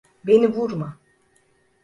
Beni vurma.